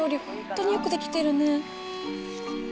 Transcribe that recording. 本当によく出来てるね。